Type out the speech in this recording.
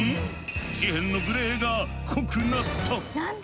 紙片のグレーが濃くなった！